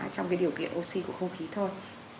trong cái điều kiện oxy của không khí thôi